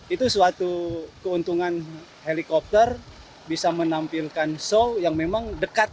itu suatu keuntungan helikopter bisa menampilkan show yang memang dekat